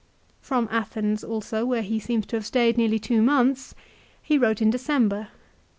From Athens also, where he seems to have stayed nearly two months, he wrote in December.